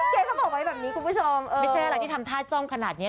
แบบนี้ไม่เป็น่ักค่ะที่ทำท่าจ้องขนาดนี้